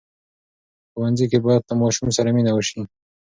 په ښوونځي کې باید له ماشوم سره مینه وسي.